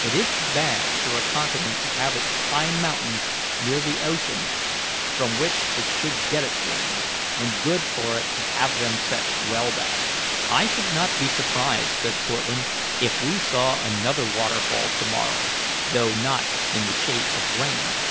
It is bad for a continent to have its high mountains near the ocean from which it should get its rain, and good for it to have them set well back." "I should not be surprised," said Cortlandt, "if we saw another waterfall to morrow, though not in the shape of rain.